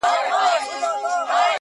ځان به آصل ورته ښکاري تر خپلوانو,